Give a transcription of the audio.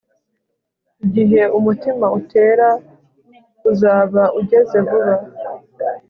Igihe umutima utera uzaba ugeze vuba